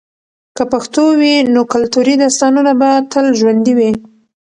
که پښتو وي، نو کلتوري داستانونه به تل ژوندۍ وي.